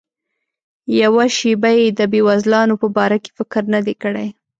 یوه شیبه یې د بېوزلانو په باره کې فکر نه دی کړی.